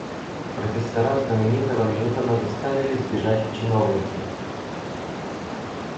Профессора знаменитого Ньютона заставили сбежать в чиновники.